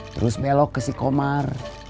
terus belok ke si komar